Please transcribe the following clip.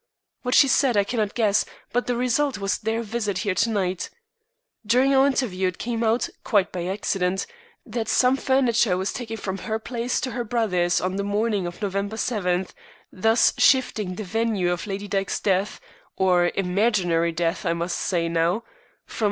What she said I cannot guess, but the result was their visit here to night. During our interview it came out, quite by accident, that some furniture was taken from her place to her brother's on the morning of November 7, thus shifting the venue of Lady Dyke's death or imaginary death I must now say from No.